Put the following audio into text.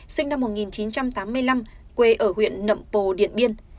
sinh năm một nghìn chín trăm tám mươi năm quê ở huyện nậm pồ điện biên